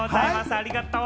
ありがとう！